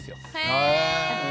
へえ！